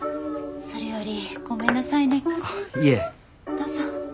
どうぞ。